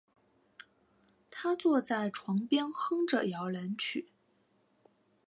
她坐在床边哼着摇篮曲